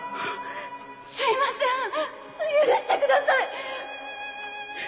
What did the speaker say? すいません許してください！